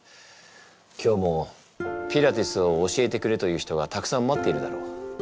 今日もピラティスを教えてくれという人がたくさん待っているだろう。